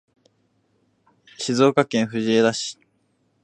静岡県藤枝市